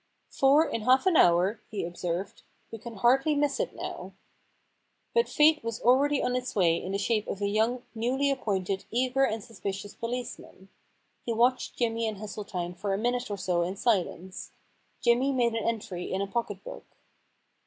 * Four in half an hour,' he observed. * We can hardly miss it now.* 153 The Problem Club But fate was already on its way in the shape of a young, newly appointed, eager and sus picious policeman. He watched Jimmy and Hesseltine for a minute or so in silence. Jimmy made an entry in a pocket book.